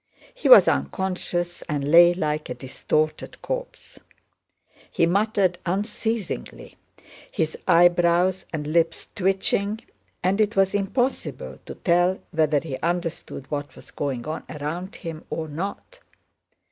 He was unconscious and lay like a distorted corpse. He muttered unceasingly, his eyebrows and lips twitching, and it was impossible to tell whether he understood what was going on around him or not.